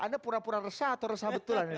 anda pura pura resah atau resah betulan ini